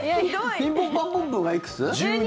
「ピンポンパンポンプー」がいくつ？